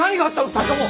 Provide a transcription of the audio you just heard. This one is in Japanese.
２人とも。